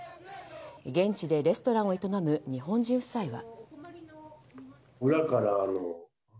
現地でレストランを営む日本人夫妻は。